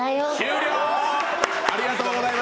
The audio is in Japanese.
終了！